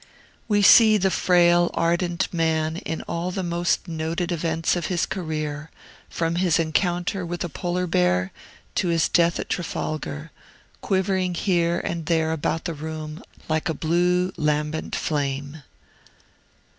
We see the frail, ardent man in all the most noted events of his career, from his encounter with a Polar bear to his death at Trafalgar, quivering here and there about the room like a blue, lambent flame.